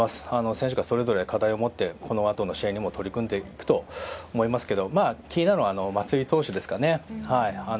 選手がそれぞれ課題を持ってこのあとの試合にも取り組んでいくと思いますが気になるのは松井投手ですかね。